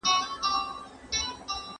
¬ هر څوک د خپلي لمني اور وژني.